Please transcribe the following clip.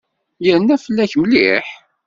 Yerna fell-ak mliḥ.